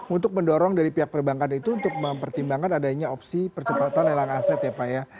untuk mendorong dari pihak perbankan itu untuk mempertimbangkan adanya opsi percepatan lelang aset ya pak ya